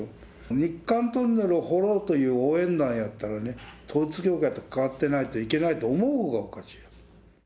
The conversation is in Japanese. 日韓トンネルを掘ろうという応援団やったらね、統一教会と関わってないとおかしいと思うほうがおかしい。